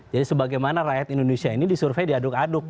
jadi sebagaimana rakyat indonesia ini disurvei diaduk aduk